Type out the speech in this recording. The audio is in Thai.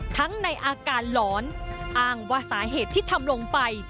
ในอาการหลอนอ้างว่าสาเหตุที่ทำลงไป